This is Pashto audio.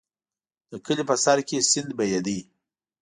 د کلي په سر کې سیند بهېده.